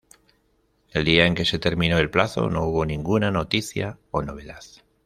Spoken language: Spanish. El día en que se terminó el plazo, no hubo ninguna noticia o novedad.